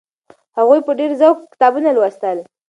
هغوی په ډېر سوق کتابونه لوستل.